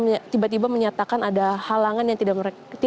namun korea tiba tiba menyatakan ada halangan yang tidak diperlukan